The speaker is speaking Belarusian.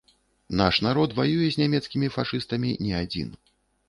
Наш народ ваюе з нямецкімі фашыстамі не адзін.